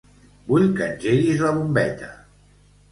Vull que engeguis la bombeta.